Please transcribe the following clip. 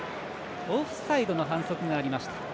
オフサイドの反則がありました。